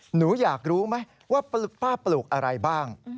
หนูอยากรู้ไหมว่าป้าปลูกอะไรบ้าง